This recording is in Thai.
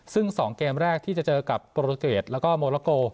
ซึ่ง๒เกมแรกที่จะเจอกับโปรตูเกตแล้วก็โมลาโก